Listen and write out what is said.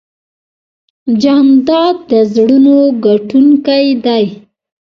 جانداد د زړونو ګټونکی دی.